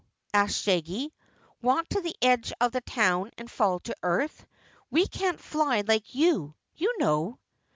asked Shaggy. "Walk to the edge of the town and fall to the earth? We can't fly like you, you know."